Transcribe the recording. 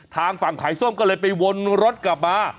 ทางฝั่งขายส้มก็เลยไปวนรถกลับมา